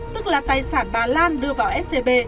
tức là tài sản bà lan đưa vào scb